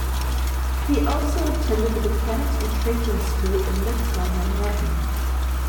He also attended The Mechanics and Tradesman's School in midtown Manhattan.